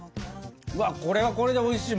これはこれでおいしい！